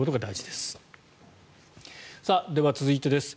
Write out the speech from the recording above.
では、続いてです。